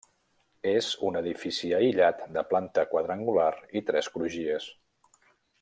És un edifici aïllat de planta quadrangular i tres crugies.